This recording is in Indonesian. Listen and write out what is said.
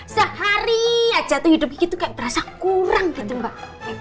sehari aja tuh hidup gitu kayak berasa kurang gitu mbak